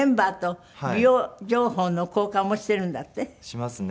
しますね。